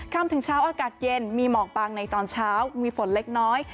คำถึงเช้าอากาศเย็นมีหมอกบางในตอนเช้ามีฝนเล็กน้อย